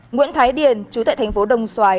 nguyễn thái điền chú thệ thành phố đồng xoài